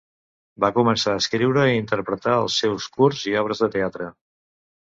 Va començar a escriure i interpretar els seus curts i obres de teatre.